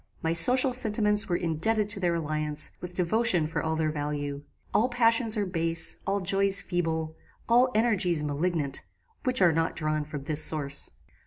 My social sentiments were indebted to their alliance with devotion for all their value. All passions are base, all joys feeble, all energies malignant, which are not drawn from this source.